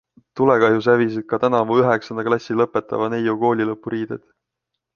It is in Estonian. Tulekahjus hävisid ka tänavu üheksanda klassi lõpetava neiu koolilõpuriided.